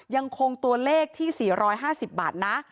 ยังคงตัวเลขที่๔๕๐บาทนะ